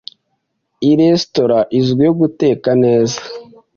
Iyi resitora izwiho guteka neza.